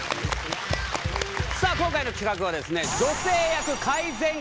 さあ今回の企画はですね。